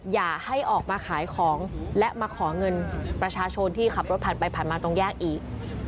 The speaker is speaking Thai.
อย่าให้ออกมาขายของและมาขอเงินประชาชนที่ขับรถผ่านไปผ่านมาตรงแยกอีก